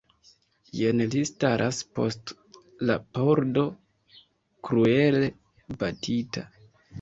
Jen li staras post la pordo, kruele batita!